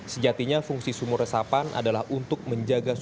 sejatinya fungsi sumur resapan adalah untuk menjaga sungai